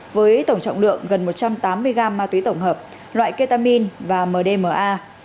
với tổng trọng lượng gần một trăm tám mươi gram ma túy tổng hợp loại ketamine và mdma